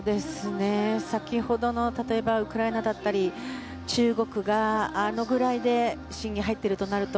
先ほどの例えばウクライナだったり中国があのぐらいで審議に入っているとなると。